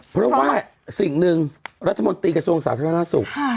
เพราะว่าสิ่งหนึ่งรัฐมนตรีกระทรวงสาธารณสุข